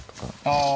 ああ。